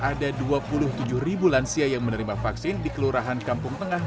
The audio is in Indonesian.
ada dua puluh tujuh ribu lansia yang menerima vaksin di kelurahan kampung tengah